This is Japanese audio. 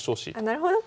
なるほど。